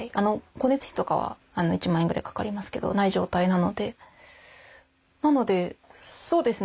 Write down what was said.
光熱費とかは１万円ぐらいかかりますけどない状態なので。